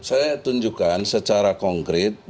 saya tunjukkan secara konkret